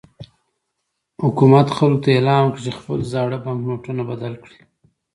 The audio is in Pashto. حکومت خلکو ته اعلان وکړ چې خپل زاړه بانکنوټونه بدل کړي.